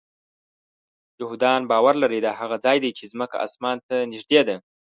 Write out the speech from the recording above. یهودان باور لري دا هغه ځای دی چې ځمکه آسمان ته نږدې ده.